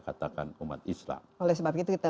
katakan umat islam oleh sebab itu kita